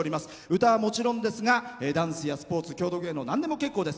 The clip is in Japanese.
歌はもちろんですがダンスやスポーツ郷土芸能なんでも結構です。